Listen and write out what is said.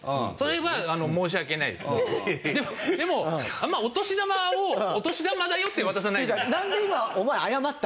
でもあんまりお年玉をお年玉だよって渡さないじゃないですか。